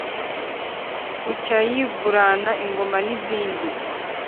bucya yigurana ingoma nizindi